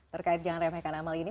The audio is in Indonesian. terkait jangan remehkan amal ini